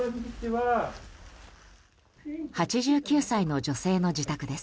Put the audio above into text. ８９歳の女性の自宅です。